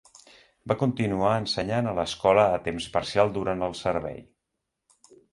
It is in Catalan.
Va continuar ensenyant a l'escola a temps parcial durant el servei.